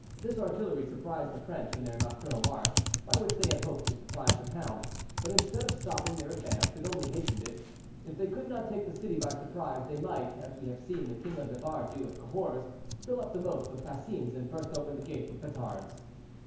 This artillery surprised the French in their nocturnal march, by which they had hoped to surprise the town; but instead of stopping their advance, it only hastened it. If they could not take the city by surprise, they might, as we have seen the king of Navarre do at Cahors, fill up the moats with fascines and burst open the gates with petards.